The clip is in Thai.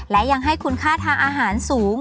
และยังให้คุณค่าทางอาหารสูง